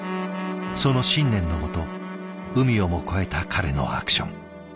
その信念のもと海をも越えた彼のアクション。